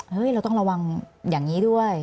เราต้องระวังอย่างนี้ด้วย